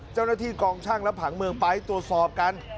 เจ้าหน้าที่กองช่างและผังเมืองไปตรวจสอบกัน